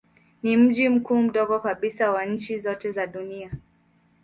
Ni mji mkuu mdogo kabisa wa nchi zote za dunia.